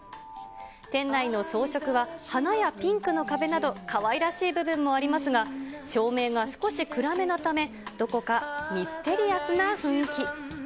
店内の装飾は、花やピンクの壁など、かわいらしい部分もありますが、照明が少し暗めなため、どこかミステリアスな雰囲気。